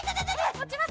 持ちます。